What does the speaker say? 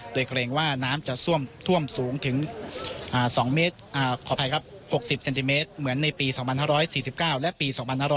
โดยเกรงว่าน้ำจะท่วมสูงถึง๒เมตรขออภัยครับ๖๐เซนติเมตรเหมือนในปี๒๕๔๙และปี๒๕๖๐